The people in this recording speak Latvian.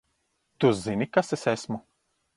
Tu zini, kas es esmu?